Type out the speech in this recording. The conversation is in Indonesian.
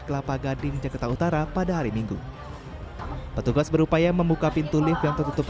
kelapa gading jakarta utara pada hari minggu petugas berupaya membuka pintu lift yang tertutup